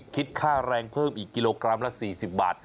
คิดค่าแรงเพิ่มอีกกิโลกรัมละ๔๐บาท